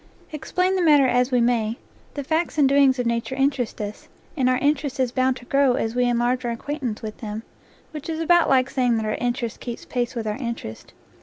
Explain the matter as we may, the facts and do ings of nature interest us, and our interest is bound to grow as we enlarge our acquaintance with them, which is about like saying that our interest keeps pace with our interest.